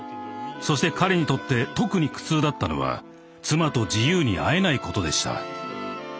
そして彼にとって特に苦痛だったのは妻と自由に会えないことでした。